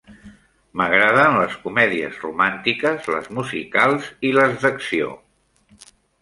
M'agraden les comèdies romàntiques, les musicals i les d'acció.